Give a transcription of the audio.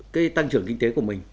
cái tăng trưởng kinh tế của mình